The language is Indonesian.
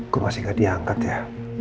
gue masih gak diangkat ya